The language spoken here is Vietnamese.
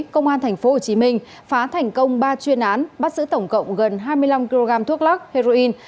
công an tp hcm phá thành công ba chuyên án bắt giữ tổng cộng gần hai mươi năm kg thuốc lắc heroin